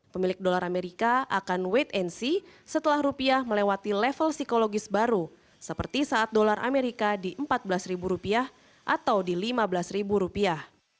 pemilik dolar amerika akan wait and see setelah rupiah melewati level psikologis baru seperti saat dolar amerika di empat belas rupiah atau di lima belas rupiah